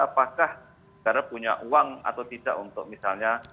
apakah negara punya uang atau tidak untuk misalnya